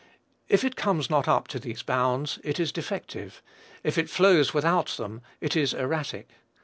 If it comes not up to these bounds it is defective; if it flows without them it is erratic.